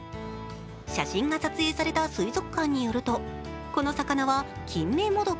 写真が撮影された水族館によるとこの魚はキンメモドキ。